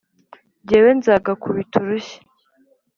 jyewe nzagakubita urushyi,